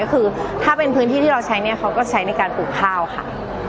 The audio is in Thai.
คือถ้าเป็นพื้นที่ที่เราใช้เนี่ยเขาก็ใช้ในการปลูกข้าวค่ะ